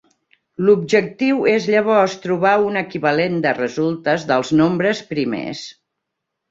L'objectiu és llavors trobar un equivalent de resultes dels nombres primers.